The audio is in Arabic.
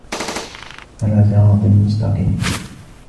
على صراط مستقيم